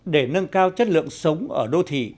để nâng cao chất lượng sống ở đô thị